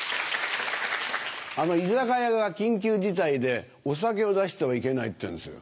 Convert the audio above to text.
居酒屋が緊急事態でお酒を出してはいけないっていうんですよ。